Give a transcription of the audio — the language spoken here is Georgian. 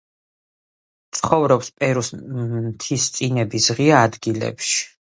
ცხოვრობს პერუს მთისწინების ღია ადგილებში.